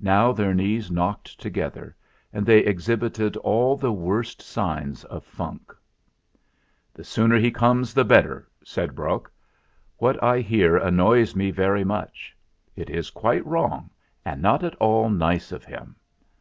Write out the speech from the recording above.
Now their knees knocked together, and they exhibited all the worst signs of funk. 44 THE FLINT HEART "The sooner he comes the better," said Brok. "What I hear annoys me very much. It is quite wrong, and not at all nice of him.